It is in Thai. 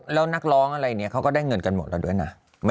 แล้วนักร้องอะไรเนี่ยเขาก็ได้เงินกันหมดแล้วด้วยนะ